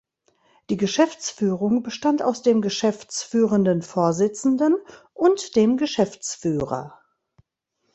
Die Geschäftsführung bestand aus dem geschäftsführenden Vorsitzenden und dem Geschäftsführer.